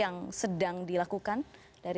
yang sedang dilakukan dari